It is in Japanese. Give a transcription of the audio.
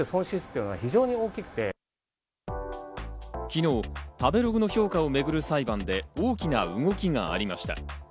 昨日、食べログの評価をめぐる裁判で大きな動きがありました。